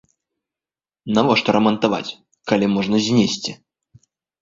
Навошта рамантаваць, калі можна знесці?